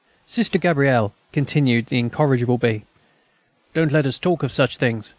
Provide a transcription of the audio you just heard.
"Sister Gabrielle," continued the incorrigible B., "don't let us talk of such things.